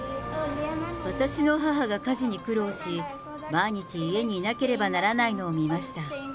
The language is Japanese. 私の母が家事に苦労し、毎日、家にいなければならないのを見ました。